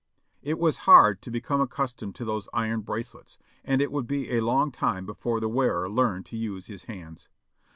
It was hard to become accustomed to those iron bracelets ; and it would be a long time before the wearer learned to use his hands.